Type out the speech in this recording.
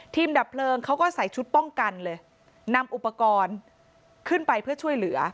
ดับเพลิงเขาก็ใส่ชุดป้องกันเลยนำอุปกรณ์ขึ้นไปเพื่อช่วยเหลือ